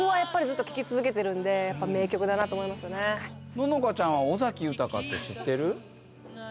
乃々佳ちゃんは尾崎豊って知ってる？